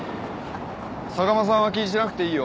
坂間さんは気にしなくていいよ。